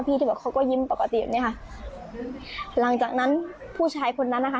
ที่บอกเขาก็ยิ้มปกติแบบเนี้ยค่ะหลังจากนั้นผู้ชายคนนั้นนะคะ